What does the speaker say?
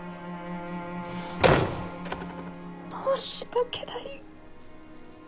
申し訳ない。